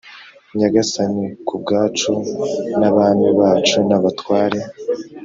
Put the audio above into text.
Nyagasani ku bwacu n abami bacu n abatware